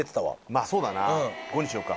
まぁそうだな５にしようか。